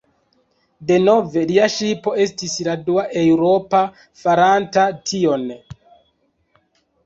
Denove lia ŝipo estis la dua eŭropa faranta tion.